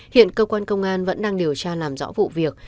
hiện cơ quan công an vẫn đang điều tra làm rõ vụ việc